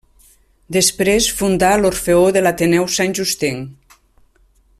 Després fundà l’Orfeó de l’Ateneu Santjustenc.